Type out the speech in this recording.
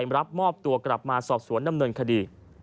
รับมอบตัวกลับมาสอบสวนดำเนินคดี